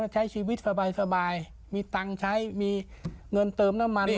ใช้ชีวิตสบายมีตังค์ใช้มีเงินเติมน้ำมัน